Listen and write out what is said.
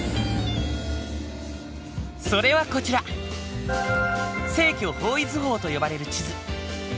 それはこちら正距方位図法と呼ばれる地図。